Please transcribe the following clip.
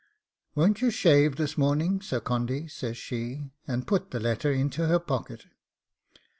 'Won't you shave this morning, Sir Condy?' says she, and put the letter into her pocket.